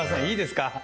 いいですか？